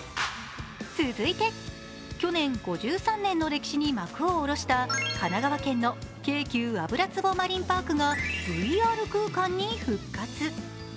続いて、去年５３年の歴史に幕を下ろした神奈川県の京急油壷マリンパークがＶＲ空間に復活。